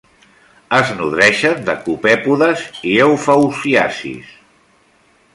Es nodreixen de copèpodes i eufausiacis.